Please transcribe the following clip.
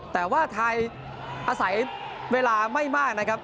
แต่ว่าไทยอาศัยเวลาไม่มากนะครับ